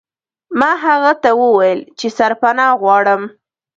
ما هغه ته وویل چې سرپناه غواړم.